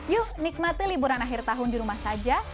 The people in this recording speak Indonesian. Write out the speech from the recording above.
yuk nikmati liburan akhir tahun di rumah saja